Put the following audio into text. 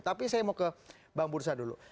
tapi saya mau ke bang bursa dulu